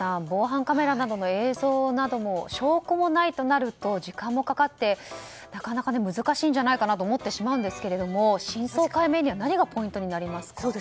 防犯カメラなどの映像などの証拠もないとなると時間もかかってなかなか難しいんじゃないかなと思ってしまうんですけれども真相解明には何がポイントになりますか？